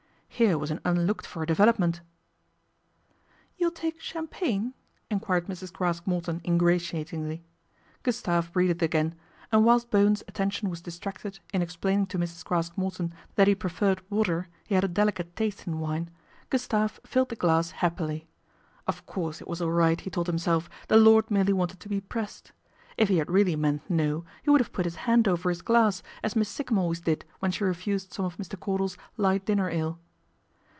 Here was an unlooked for development. " You'll take champagne ?" enquired Mrs. Craske Morton ingratiatingly. Gustave breathed again, and whilst Bowen's attention was distracted in explaining to Mrs. Craske Morton that he preferred water, he had a delicate taste in wine, Gustave filled the glass happily. Of course, it was all right, he told him self, the lord merely wanted to be pressed. If he had really meant " no," he would have put his hand over his glass, as Miss Sikkum always did when she refused some of Mr. Cordal's " Light Dinner Ale."